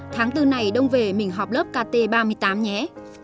tháng bốn này đông về mình học lớp kt ba mươi tám nhé